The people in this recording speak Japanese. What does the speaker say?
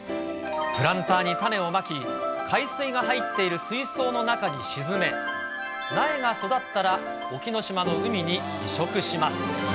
プランターに種をまき、海水が入っている水槽の中に沈め、苗が育ったら、沖ノ島の海に移植します。